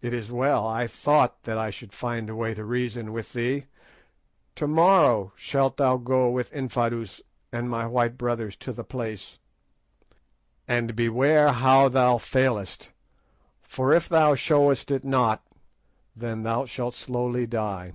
"It is well. I thought that I should find a way to reason with thee. To morrow shalt thou go with Infadoos and my white brothers to the place, and beware how thou failest, for if thou showest it not, then thou shalt slowly die.